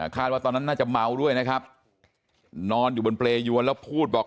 ว่าตอนนั้นน่าจะเมาด้วยนะครับนอนอยู่บนเปรยวนแล้วพูดบอก